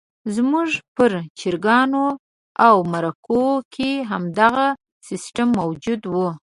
زموږ پر جرګو او مرکو کې همدغه سیستم موجود وو.